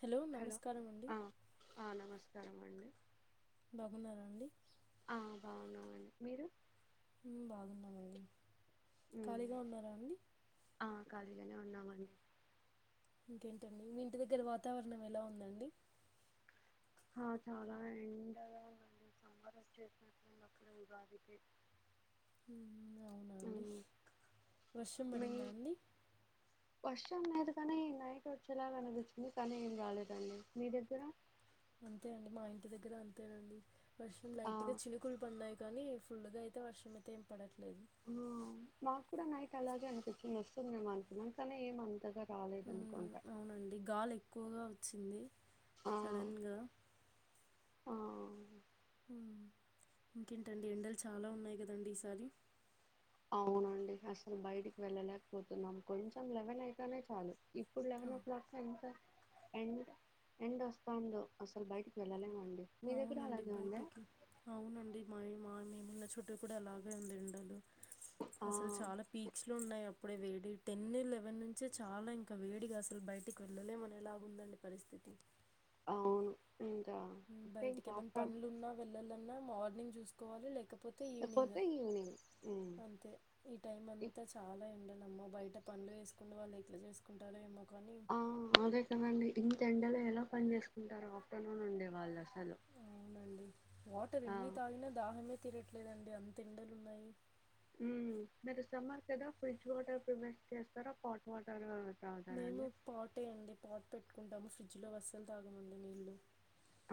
Hello నమస్కారం అండి మస్కారమండి బాగున్నారండి బాగున్నామండి మీరు బాగున్నామండి ఖాళీగా ఉన్నారా అండి. ఖాలిగానే ఉన్నామండి. ఇంకేంటండి మీ ఇంటి దగ్గర వాతావరణం ఎలా ఉందండి. ఆ చాలా ఎండగా సంబరం చేసినట్లు ఉంది అప్పుడే ఉగాదికి మ్మ్ అవునా ఆ అండి వర్షం మీ పడిందా అండి వర్షం లేదు కానీ నైట్ వచ్చేలాగా అనిపిచ్చింది. కానీ ఏం రాలేదండి మీ దగ్గర అంతే అండి మా ఇంటి దగ్గర అంతేనండి వర్షం ఆ లైట్ గా చినుకులు పడినాయి కానీ ఫుల్ గా అయితే వర్షం అయితే ఏం పడట్లేదు. ఆ మాకు కూడా నైట్ అలాగే అనిపించింది వస్తుందేమ అనుకున్నాకము కానీ ఏమంతగా ఉ అవునండి గాలి ఎక్కువగా వచ్చింది. ఆ సడన్గా ఆ ఉమ్ ఇంకేంటండి ఎండలు చాలా ఉన్నాయి కదండి ఈసారి అవునండి అసలు బయటికి వెళ్ళలేకపోతున్నాం కొంచెం లెవెన్ అయతినే చాలు ఇప్పుడు లెవేన్ ఆ, ఓ క్లాక్ ఎ ఎంత ఎండ్ ఎండ వస్తా ఉండు అసలు బయటికి ఎళ్ళాలలేమండి. అవునండి బయటికి అవునండి మాయ మా మేము ఉన్న చుట్టూ కూడా అలాగే ఉంది ఎండలు ఆ అసలు చాలా పీక్స్ లో ఉన్నాయి అప్ ఇప్పుడే వేడి టెన్ లెవెన్ నుంచే చాలా ఇంకా వేడిగా అసలు బయటికి వెళ్ళలేమనీ లాగా ఉందండి పరిస్థితి తిన్ అవును ఇంకా అంటే బయటికి ఇంకా ఏమైన్నా ఆఫ్టర్ పనులు ఉన్నా వెళ్లాలన్నా మార్నింగ్ చూసుకోవాలి లేకపో కాకపోతే ఈవినింగ్ లేకపోతే ఈవినింగ్ ఉమ్. అంతే ఈ టైం ఇ- అంతా చాలా ఎండలు అమ్మో బయట పనులు ఏసుకునే వాళ్ళు ఎట్లా చేసుకుంటారు ఏమో కానీ ఆ అదే కదండి ఇంతెండలో ఎలా పని చేసుకుంటారు ఆఫ్టర్నూన్ ఉండే వాళ్ళు అసలు అవునండి వాటర్ ఆ ఎన్ని తాగినా దాహమే తీరట్లేదండి అంత ఎండలు ఉన్నాయి. మ్ మరి సమ్మర్ కదా ఫ్రిడ్జ్ వాటర్ ప్రివేట్ చేస్తారా పాట్ వాటర్ మేము తాగుతారండి పాటే అండి పాట్ పెట్టుకుంటాము ఫ్రిడ్జ్ లో వస్సలు తాగమండి నీళ్లు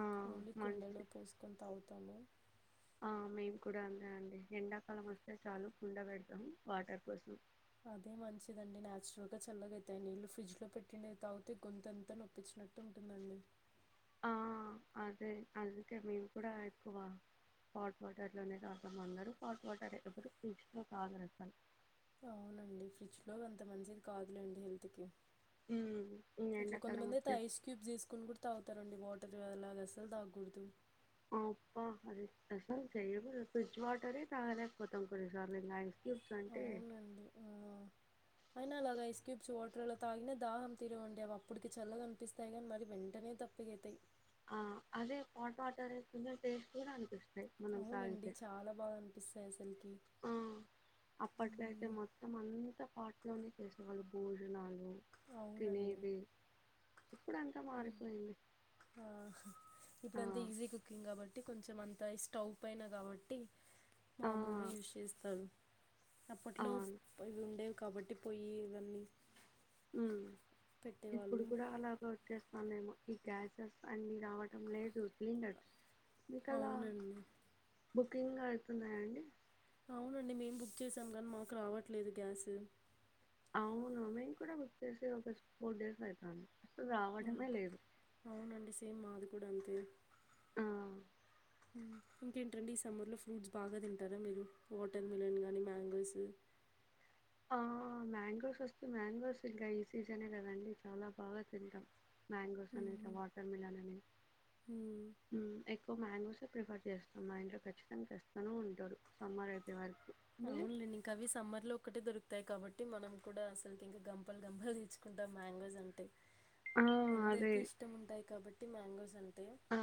ఆ ఓన్లీ మంచిది కుండలో పోసుకొని తాగుతాము. ఆ మేమ్ కూడా అంతే అండి ఎండాకాలం వస్తే చాలు కుండ పెడతాం వాటర్ కోసం అదే మంచిదండి నేచురల్ గా చల్లగా అయితాయి నీళ్ళు ఫ్రిడ్జ్ లో పెట్టిన తాగితే గొంతెంత నొప్పిచి నట్టుంటుందండి. ఆ అదే అదికే మీము కూడా ఎక్కువ పాట్ వాటర్ లోనే తాతం అందరూ పాట్ వాటర్ ఎప్పుడు ఫ్రిడ్జ్ లో తాగారు. అసలు అవునండి ఫ్రిడ్జ్ లో అంత మంచిది కాదులేండి హెల్త్ కి ఉమ్, ఈ ఇట్లా ఎండాకాలం కొంతమంది అయితే వచ్చే ఐస్ క్యూబ్ తీసుకుని కూడా తాగుత్ తరండి వాటర్ అలాగా అసలు తాగకూడదు. అబ్బా అదే అసల్ చేయకూడదు ఫ్రిడ్జ్ వాటరే తగలేక పోతాం కొన్ని సార్లు నై [unintelligible] చంట అవునండి ఆ. లో తాగిన దాహం తీరవండి అవి అప్పటికి చల్లగా అనిపిస్తాయి కానీ మరి వెంటనే తప్పికైతాయి ఆ అదే హట్ వాటర్ కొంచం టేస్ట్ కూడా అనిపి అవునండి చాలా బాగా అనిపిస్తాయి అసలుకి ఆ అప్పట్లో అయితే మ్మ్. మొత్తం అంత స్పాట్లోనే చేసేవాళ్ళు భోజనాలు అవునండి తినేది ఇప్పుడంత మారిపోయింది ఆ ఆ ఇప్పుడంతా ఈజీ కుకింగ్ కాబట్టి కొంచెం అంతా స్టవ్ పైన కాబట్టి ఆ మామూలుగా యూస్ చేస్తాను అప్పట్లో అవును ఇవి ఉండేవి కాబట్టి పోయి ఇవన్నీ ఉ ఇప్పుడు పెట్టేవాళ్ళు కూడా అలాగ వచ్చేస్త ఆ మేము ఈ గ్యాసెస్ అన్ని రావడం లేదు సిలిండర్ అవునండి బుకింగ్ ఐతున్నాయఅండి అవునండి మేం బుక్ చేసాం కానీ మాకు రావట్లేదు గ్యాస్ అవును మేం కూడా బుక్ చేసి ఒక ఫోర్ డేస్ అయితంది అవునండి సేమ్ మాది కూడా అంతే ఆ ఇంకేంటండి ఈ సమ్మర్లో ఫ్రూట్స్ బాగా తింటారా మీరు వాటర్ మిలన్ కానీ మ్యాంగోస్ ఆ మ్యాంగోస్ వస్తే మ్యాంగోస్ ఇంకా ఈ సీజనే కదండి చాలా బాగా తింటాం మ్యాంగోస్ అని ఇంకా ఉమ్, వాటర్మిలన్ అనీ ఉమ్. ఇ మంగోసే ప్రిఫర్ చేస్తాం మా ఇంట్లో ఖచ్చితంగా తేస్తూనే ఉంటారు సమ్మర్ అయిపోయే వారకు అవునులే ఇంక అవి సమ్మర్ లో ఒక్కటే దొరూకుతాయి తాయి కాబట్టి మనం కూడా అసలుకి ఇంకా గంపలు గంపలు తెచ్చుకుంటాం మ్యాంగోస్ అంటే ఆ! అదే. అందరికి ఇష్టం ఉంటాయి కాబట్టి మ్యాంగోస్ అను ఆ